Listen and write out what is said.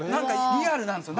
リアルなんですよ。